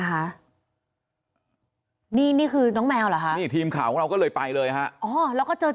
คะนี่นี่คือน้องแมวหรอทีมข่าวเราก็เลยไปเลยฮะแล้วก็เจอ